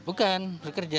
hah bukan bekerja